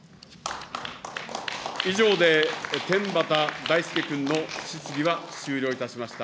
以上で天畠大輔君の質疑は終了いたしました。